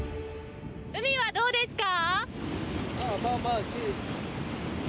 海はどうですか？